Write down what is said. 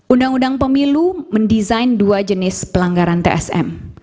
undang undang pemilu mendesain dua jenis pelanggaran tsm